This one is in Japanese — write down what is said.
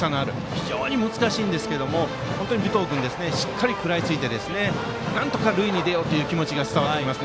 非常に難しいんですが、尾藤君もしっかり食らいついてなんとか塁に出ようという気持ちが伝わります。